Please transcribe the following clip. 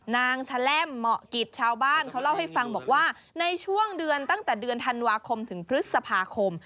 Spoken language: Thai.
แชล่มเหมาะกิจชาวบ้านเขาเล่าให้ฟังบอกว่าในช่วงเดือนตั้งแต่เดือนธันวาคมถึงพฤษภาคม